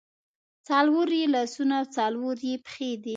څلور یې لاسونه او څلور یې پښې دي.